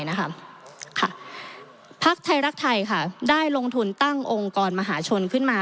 พักไทยรักไทยค่ะได้ลงทุนตั้งองค์กรมหาชนขึ้นมา